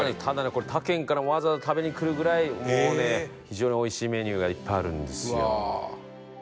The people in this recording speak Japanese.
これ他県からもわざわざ食べに来るぐらいもうね非常においしいメニューがいっぱいあるんですよ」